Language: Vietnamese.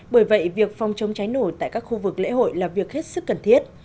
bởi vậy việc phòng chống cháy nổ tại các khu vực lễ hội là việc hết sức cần thiết